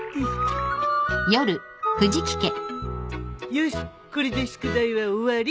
よしこれで宿題は終わり。